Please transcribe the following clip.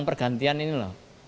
pergantian ini lah